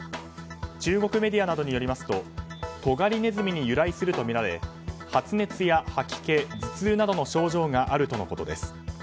中国メディアなどによりますとトガリネズミに由来するとみられ発熱や吐き気、頭痛などの症状があるとのことです。